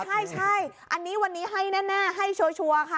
ใช่อันนี้วันนี้ให้แน่ให้ชัวร์ค่ะ